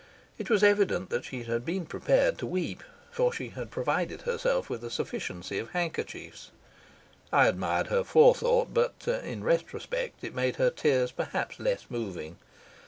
It was evident that she had been prepared to weep, for she had provided herself with a sufficiency of handkerchiefs; I admired her forethought, but in retrospect it made her tears perhaps less moving.